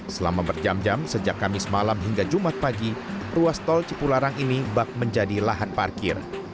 selama berjam jam sejak kamis malam hingga jumat pagi ruas tol cipularang ini bak menjadi lahan parkir